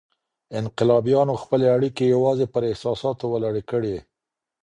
انقلابيانو خپلي اړيکې يوازي پر احساساتو ولاړې کړې.